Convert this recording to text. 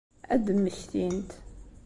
Ad d-mmektint.